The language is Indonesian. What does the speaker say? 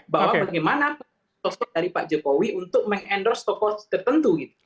bahwa bagaimana sosok dari pak jokowi untuk meng endorse tokoh tertentu